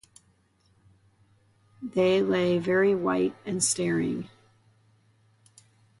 They lay very white and staring.